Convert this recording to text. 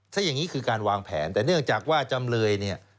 ถ้าอย่างนี้คือการวางแผนแต่เนื่องจากว่าจำเลยเนี่ย